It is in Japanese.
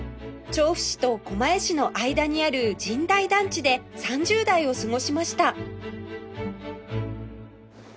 調布市と狛江市の間にある神代団地で３０代を過ごしました